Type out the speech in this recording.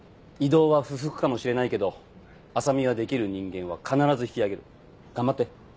異動は不服かもしれないけど浅海はできる人間は必ず引き上げる頑張って。